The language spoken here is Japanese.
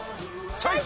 チョイス！